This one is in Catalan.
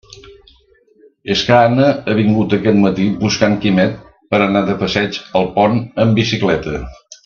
És que Anna ha vingut aquest matí buscant Quimet per a anar de passeig al pont en bicicleta.